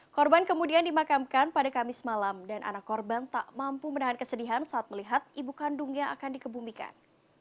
korban kemudian dimakamkan pada kamis malam dan anak korban tak mampu menahan kesedihan saat melihat ibu kandungnya akan dikebumikan